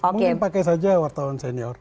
mungkin pakai saja wartawan senior